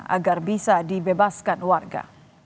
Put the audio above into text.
agar bisa dibebaskan warga